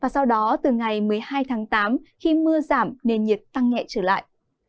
sau đó từ ngày một mươi hai tháng tám khi mưa giảm nền nhiệt tăng nhẹ trở lại